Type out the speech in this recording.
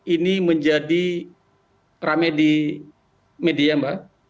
ini menjadi rame di media mbak